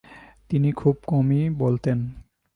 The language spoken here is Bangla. তিনি খুব কমই বলতেন।